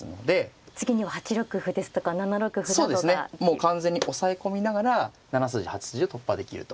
もう完全に押さえ込みながら７筋８筋を突破できると。